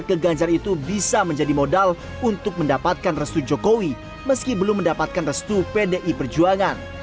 ke ganjar itu bisa menjadi modal untuk mendapatkan restu jokowi meski belum mendapatkan restu pdi perjuangan